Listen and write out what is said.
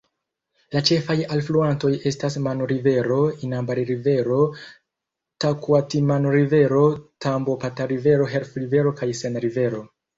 La ĉefaj alfluantoj estas Manu-Rivero, Inambari-Rivero, Takuatimanu-Rivero, Tambopata-Rivero, Heath-Rivero kaj Sena-Rivero.